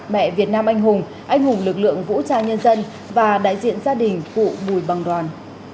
mẹ việt nam anh hùng anh hùng lực lượng vũ trang nhân dân và đại diện gia đình cụ bùi bằng đoàn